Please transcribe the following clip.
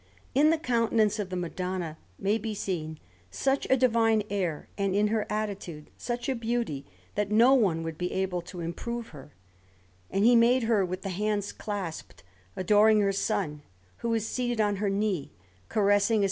In the countenance of the Madonna may be seen such a divine air, and in her attitude such a dignity, that no one would be able to improve her; and he made her with the hands clasped, adoring her Son, who is seated on her knees, caressing a S.